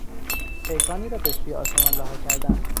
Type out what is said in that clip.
پیکانی را بهسوی آسمان رها کردن